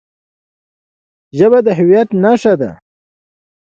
ژبه د هویت نښه ده.